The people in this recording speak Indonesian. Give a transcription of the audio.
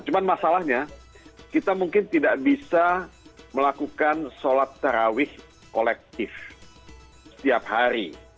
cuma masalahnya kita mungkin tidak bisa melakukan sholat tarawih kolektif setiap hari